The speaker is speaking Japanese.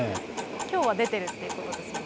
きょうは出てるってことですよね。